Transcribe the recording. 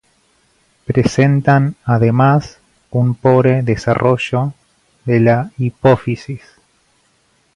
Presentan además un pobre desarrollo de la hipófisis.